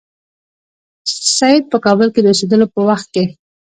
سید په کابل کې د اوسېدلو په وخت کې.